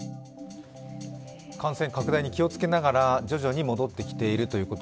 感染拡大に気をつけながら、徐々に戻ってきているということ